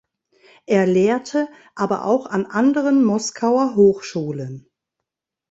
Er lehrte aber auch an anderen Moskauer Hochschulen.